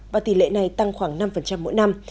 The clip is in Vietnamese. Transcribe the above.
và tỷ lệ này tăng khoảng năm mỗi năm